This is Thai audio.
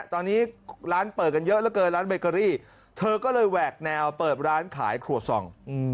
ตอนนี้ร้านเปิดกันเยอะเหลือเกินร้านเบเกอรี่เธอก็เลยแหวกแนวเปิดร้านขายครัวซอง